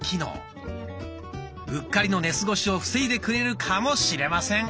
うっかりの寝過ごしを防いでくれるかもしれません。